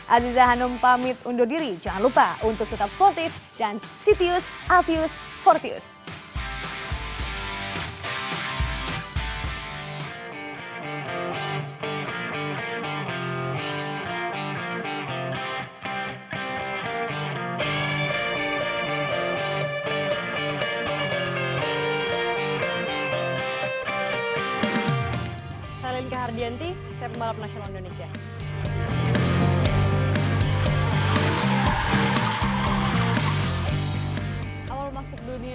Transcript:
aziza hanum pamit undur diri jangan lupa untuk tetap sportif dan sitius alvius fortius